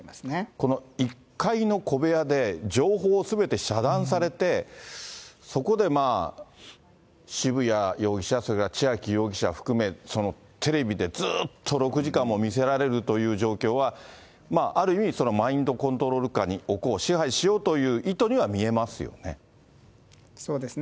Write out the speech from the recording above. この１階の小部屋で、情報をすべて遮断されて、そこでまあ、渋谷容疑者、それから千秋容疑者含め、テレビでずっと６時間も見せられるという状況は、ある意味、マインドコントロール下に置こう、支配しようという意図には見えますよね。